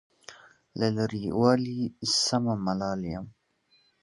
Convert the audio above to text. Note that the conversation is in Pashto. له لرې والي سمه ملال یم.